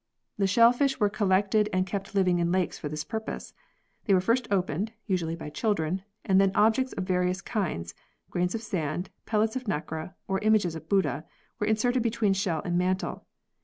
The shellfish were collected and kept living in lakes for this purpose. They were first opened (usually by children) and then objects of various kinds (grains of sand, pellets of nacre, or images of Buddha) were inserted between shell and mantle.